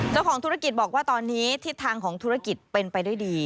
เจ้าของธุรกิจบอกว่าตอนนี้ทิศทางของธุรกิจเป็นไปด้วยดี